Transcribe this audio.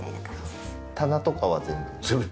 棚とかは全部。